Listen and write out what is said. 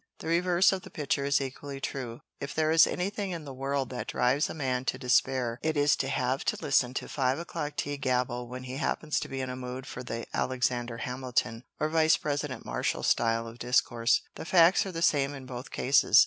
The reverse of the picture is equally true. If there is anything in the world that drives a man to despair it is to have to listen to five o'clock tea gabble when he happens to be in a mood for the Alexander Hamilton, or Vice President Marshall style of discourse. The facts are the same in both cases.